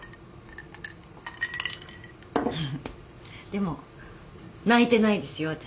でも泣いてないですよ私。